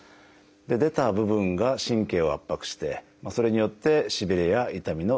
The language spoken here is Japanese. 出た部分が神経を圧迫してそれによってしびれや痛みの症状が出てきます。